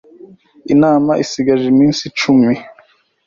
Inama isigaje iminsi icumi.